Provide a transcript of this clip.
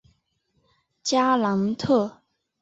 加朗特。